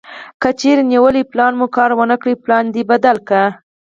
کچېرې نیولی پلان مو کار ونه کړ پلان دې بدل کړه.